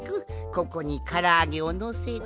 ここにからあげをのせて。